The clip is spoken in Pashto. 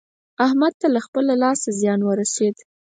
احمد ته له خپله لاسه زيان ورسېد.